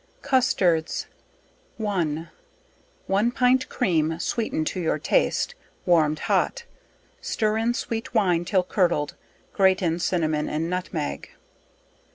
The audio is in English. CUSTARDS. 1. One pint cream sweetened to your taste, warmed hot; stir in sweet wine, till curdled, grate in cinnamon and nutmeg.